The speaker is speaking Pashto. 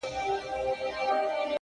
اوس مي نو ومرگ ته انتظار اوسئ’